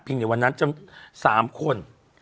เพียงในวันนั้นจน๓คน